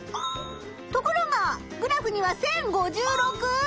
ところがグラフには１，０５６！